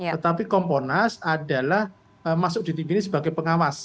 tetapi kompolnas adalah masuk di tim ini sebagai pengawas